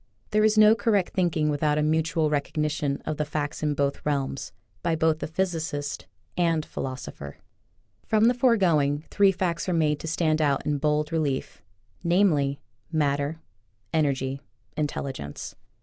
There is no correct thinking without a mutual recog nition of the facts in both realms, by both the physicist and philosopher. From the foregoing, three facts are made to stand out in bold relief, namely: Matter, Energy, Intelligence.